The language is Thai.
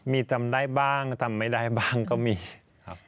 มีจำได้บ้างจำไม่ได้บ้างก็มีครับ